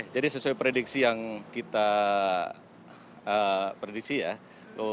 jadi sesuai prediksi yang kita prediksi ya